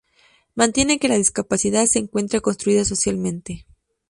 Mantiene que la discapacidad se encuentra construida socialmente.